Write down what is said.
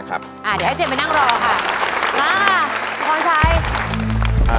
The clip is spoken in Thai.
โชคชะตาโชคชะตา